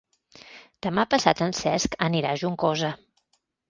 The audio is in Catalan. Demà passat en Cesc anirà a Juncosa.